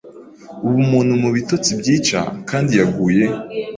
Ubumuntu mubitotsi byica Kandi yaguye